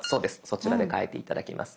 そちらで変えて頂きます。